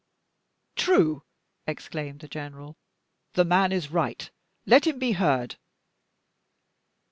"True!" exclaimed the general; "the man is right let him be heard."